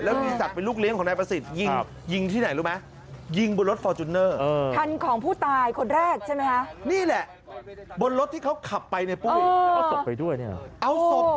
แล้ววิสัตว์เป็นลูกเลี้ยงของนายประสิทธิ์ยิงที่ไหนรู้ไหม